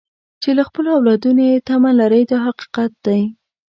چې له خپلو اولادونو یې تمه لرئ دا حقیقت دی.